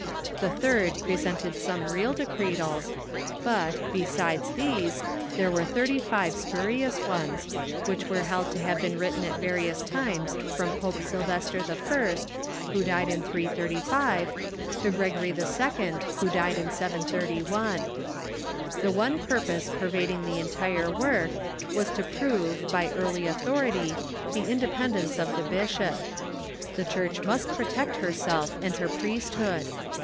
The third presented some real De cretals, but, besides these, there were thirty five spurious ones, which were held to have been written at various times from Pope Sylvester I., who died in 335, to Gregory II., who died in V31. The one purpose pervading the entire work was to prove, by early authority, the independence of the bishop. The Church must protect herself and her priesthood.